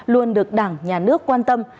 luôn được đảng nhà nước quan tâm